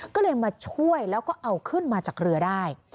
ก็เลยมาช่วยแล้วก็เอาขึ้นมาจากเรือได้